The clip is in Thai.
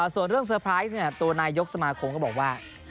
ส่วนเรื่องเซอร์ไพรส์ตัวนายกสมาคมก็บอกว่า